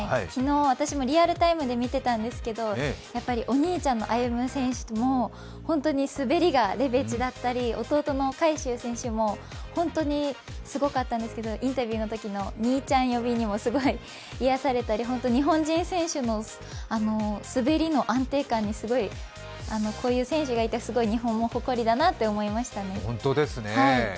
昨日、私もリアルタイムで見てたんですけど、お兄ちゃんの歩夢選手ももう本当に滑りがレベチだったり、弟の海祝選手も本当にすごかったんですけど、インタビューのときの兄ちゃん呼びにも癒やされたり日本人選手の滑りの安定感に、こういう選手がいたすごい、日本も誇りだなと思いましたね。